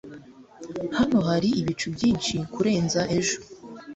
hano hari ibicu byinshi kurenza ejo